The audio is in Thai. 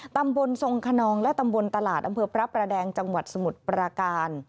ตำบลทรงขนองและตำบลตลาดอำเภอพระประแดงจังหวัดสมุทรปราการ